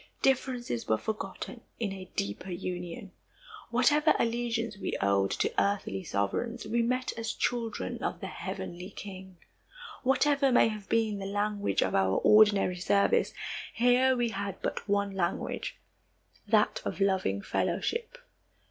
Differences were forgotten in a deeper union. Whatever allegiance we owed to earthly sovereigns, we met as children of the heavenly King. Whatever may have been the language of our ordinary service, here we had but one language that of loving fellowship.